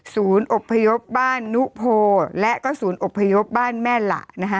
อบพยพบ้านนุโพและก็ศูนย์อบพยพบ้านแม่หละ